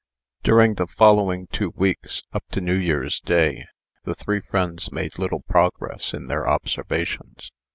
During the following two weeks, up to New Year's day, the three friends made little progress in their observations.